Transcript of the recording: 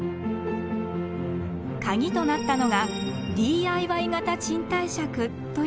カギとなったのがＤＩＹ型賃貸借という仕組みでした。